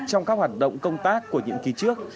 trong các hoạt động công tác của nhiệm kỳ trước